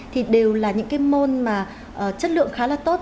thì đều là những cái môn mà chất lượng khá là tốt